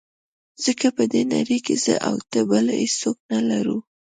ځکه په دې نړۍ کې زه او ته بل هېڅوک نه لرو.